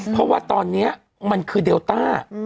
เพราะว่าตอนนี้มันคือเดลต้า